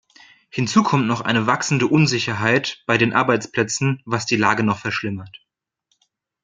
Hinzu kommt noch eine wachsende Unsicherheit bei den Arbeitsplätzen, was die Lage noch verschlimmert.